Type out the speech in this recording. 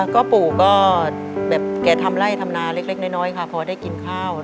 ก็ปู่ก็แบบแกทำไล่ทำนาเล็กน้อยค่ะพอได้กินข้าว